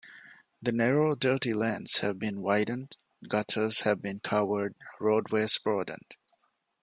The narrow, dirty lanes have been widened, gutters have been covered, roadways broadened.